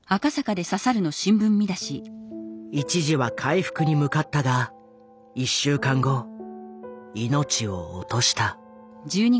一時は回復に向かったが１週間後命を落とした。